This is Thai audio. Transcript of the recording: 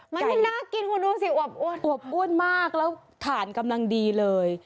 มันน่ากินคุณดูสิอวบอ้วนอวบอ้วนมากแล้วถ่านกำลังดีเลย